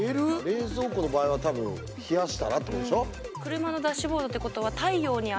冷蔵庫の場合は多分冷やしたらってことでしょ。